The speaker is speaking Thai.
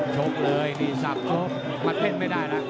ชบเลยมัดเพ่นไม่ได้นะ